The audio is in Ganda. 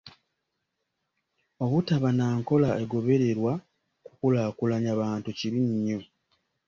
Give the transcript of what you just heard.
Obutaba na nkola egobererwa kukulaakulanya bantu kibi nnyo.